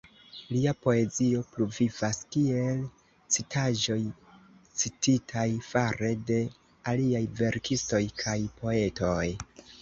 Lia poezio pluvivas kiel citaĵoj cititaj fare de aliaj verkistoj kaj poetoj.